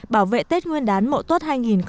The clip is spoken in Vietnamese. bảo vệ tết nguyên đán mộ tốt hai nghìn một mươi tám